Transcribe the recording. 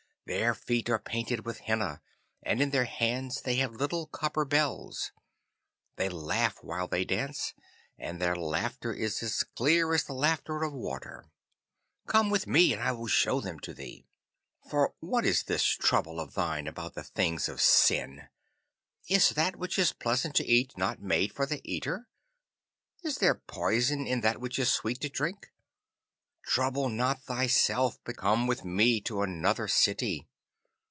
Their feet are painted with henna, and in their hands they have little copper bells. They laugh while they dance, and their laughter is as clear as the laughter of water. Come with me and I will show them to thee. For what is this trouble of thine about the things of sin? Is that which is pleasant to eat not made for the eater? Is there poison in that which is sweet to drink? Trouble not thyself, but come with me to another city.